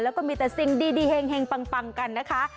แล้วก็มีแต่สิ่งดีแห่งปังกันนะคะ